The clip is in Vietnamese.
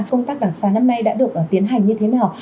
công tác đặc sá năm nay đã được tiến hành như thế nào